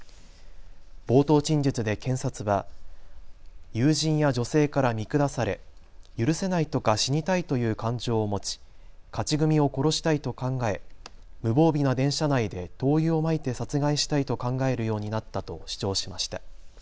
冒頭陳述で検察は友人や女性から見下され許せないとか死にたいという感情を持ち、勝ち組を殺したいと考え無防備な電車内で灯油をまいて殺害したいと考えるようになったと主張しました。